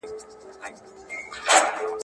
چي پر سمه لاره ځم راته قهرېږي.